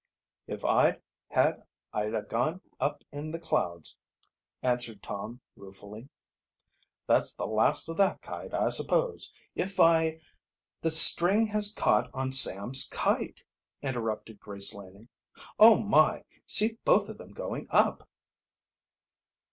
"If I had I'd a gone up in the clouds," answered Tom ruefully. "That's the last of that kite, I suppose; if I " "The string has caught on Sam's kite!" interrupted Grace Laning. "Oh, my! See both of them going up!"